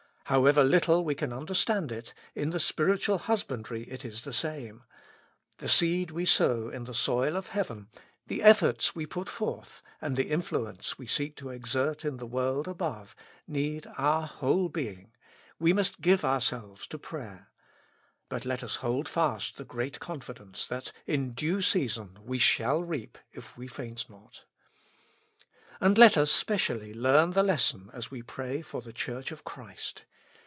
However little we can understand it, in the spiritual husbandry it is the same : the seed we sow in the soil of heaven, the efiforts we put forth, and the influence we seek to exert in the world above, need our whole being : we must give ourselves to prayer. But let us hold fast the great confidence, that in due season we shall reap, if we faint not. And let us specially learn the lesson as we pray for the Church of Christ.